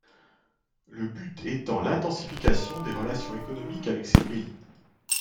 Le but étant l'intensification des relations économiques avec ces pays.